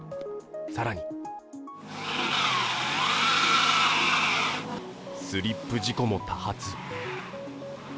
更にスリップ事故も多発。